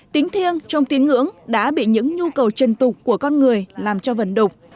tính thiêng trong tiến ngưỡng đã bị những nhu cầu trân tục của con người làm cho vần đục